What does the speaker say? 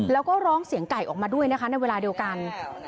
แล้วก็ร้องเสียงไก่ออกมาด้วยนะคะในเวลาเดียวกัน